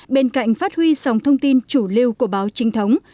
bên cạnh phát huy dòng thông tin chủ lưu của báo trinh thống